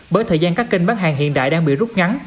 bởi thời gian các kênh bán hàng hiện đại đang bị rút ngắn